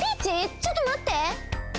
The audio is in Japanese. ちょっとまって！